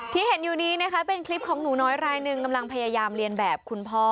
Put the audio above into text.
ที่เห็นอยู่นี้นะคะเป็นคลิปของหนูน้อยรายหนึ่งกำลังพยายามเรียนแบบคุณพ่อ